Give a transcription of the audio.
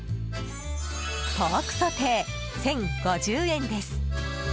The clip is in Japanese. ポークソテー、１０５０円です。